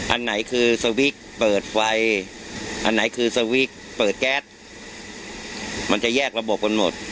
อันไหนคือสวิกเปิดไฟอันไหนคือสวิกเปิดแก๊สมันจะแยกระบบกันหมด